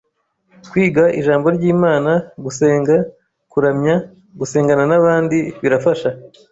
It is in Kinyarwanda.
kwiga Ijambo ry'Imana, gusenga, kuramya, gusengana n'abandi, birafasha